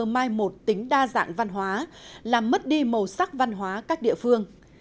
mai một tính đa dạng văn hóa làm mất đi màu sắc văn hóa các địa phương